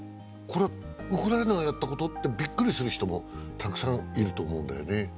これウクライナがやったこと？ってビックリする人もたくさんいると思うんだよね